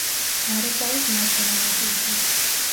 ნარეკვავის მარჯვენა ნაპირზე.